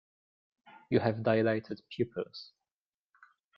You have dilated pupils.